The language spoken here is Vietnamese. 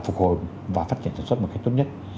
phục hồi và phát triển sản xuất một cách tốt nhất